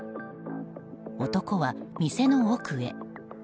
男は店の奥へ。